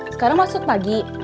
sekarang masuk pagi